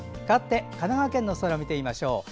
かわって神奈川県の空を見てみましょう。